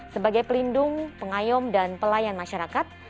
sebagai pelindung pengayom dan pelayan masyarakat